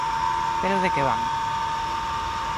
¿Pero de que van?